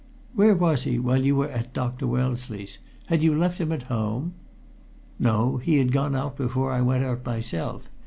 "Where was he, while you were at Dr. Wellesley's? Had you left him at home?" "No, he had gone out before I went out myself.